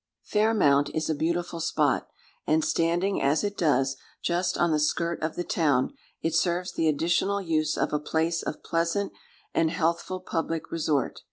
Fair Mount is a beautiful spot; and standing, as it does, just on the skirt of the town, it serves the additional use of a place of pleasant and healthful public resort.